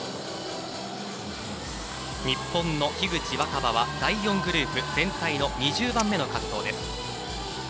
日本の樋口新葉は第４グループ全体の２０番目の滑走です。